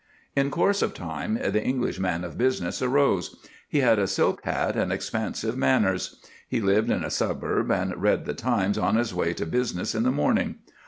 In course of time the English man of business arose. He had a silk hat and expansive manners. He lived in a suburb and read the Times on his way to business in the morning.